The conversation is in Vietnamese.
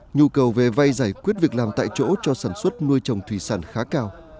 nhu cầu về vay giải quyết việc làm tại chỗ cho sản xuất nuôi trồng thủy sản khá cao